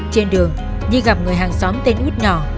trên đường nhi gặp người hàng xóm tên út nhỏ